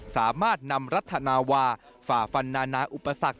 สามารถนำรัฐนาวาฝ่าฟันนานาอุปสรรค